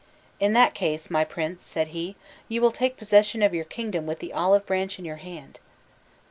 "In that case, my prince," said he, "you will take possession of your kingdom with the olive branch in your hand."